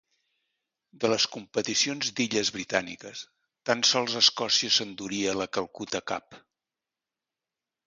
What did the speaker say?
De les competicions d'illes britàniques, tan sols Escòcia s’enduria la Calcuta Cup.